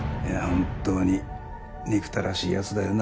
本当に憎たらしいやつだよな